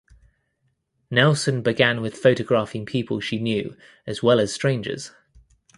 Nelson began with photographing people she knew as well as strangers.